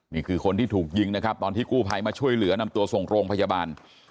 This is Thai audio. นี่คือคนที่ถูกยิงนะครับตอนที่กู้ภัยมาช่วยเหลือนำตัวส่งโรงพยาบาล